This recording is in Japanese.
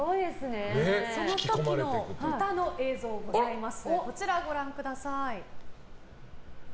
その時の歌の映像がございます。